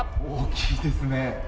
大きいですね。